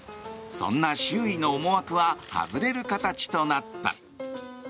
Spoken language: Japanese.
そんな周囲の思惑は外れる形となった。